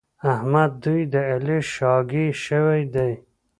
احمد دوی د علي شاګی شوي دي.